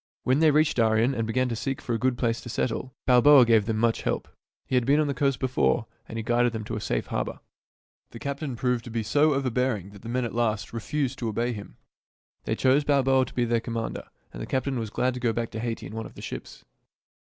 When they reached Darien and began to seek for a good place to settle, Balboa gave them much help. He had been on the coast before, and he guided them to a safe harbor. The captain proved to be so overbearing that "UPON A PEAK IN DARIEN" 13 the men at last refused to obey him. They chose Balboa to be their commander, and the captain was glad to go back to Haiti in one of the ships.